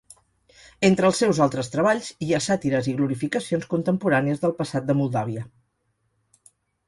Entre els seus altres treballs hi ha sàtires i glorificacions contemporànies del passat de Moldàvia.